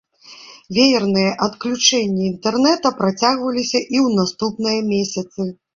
Веерныя адключэнні інтэрнета працягваліся і ў наступныя месяцы.